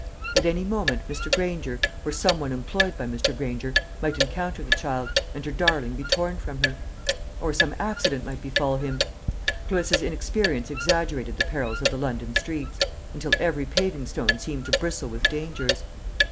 At any moment Mr. Granger, or some one employed by Mr. Granger, might encounter the child, and her darling be torn from her; or some accident might befall him. Clarissa's inexperience exaggerated the perils of the London streets, until every paving stone seemed to bristle with dangers.